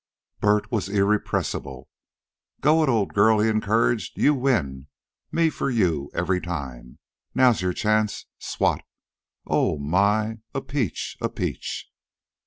But Bert was irrepressible. "Go it, old girl!" he encouraged. "You win! Me for you every time! Now's your chance! Swat! Oh! My! A peach! A peach!"